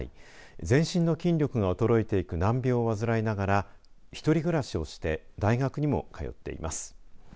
全身の筋力が衰えていく難病を患いながら１人暮らしをして大学にも通っています。